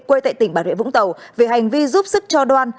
quê tại tỉnh bản huệ vũng tàu về hành vi giúp sức cho đoan